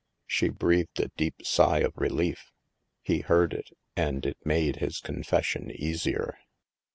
'' She breathed a deep sigh of relief. He heard it, and it made his confession easier.